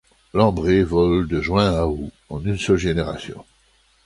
L'Ambré vole de juin à août, en une seule génération.